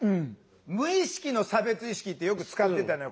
「無意識の差別意識」ってよく使ってたのよ